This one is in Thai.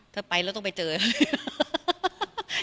ถ้าไปแล้วต้องไปเจอ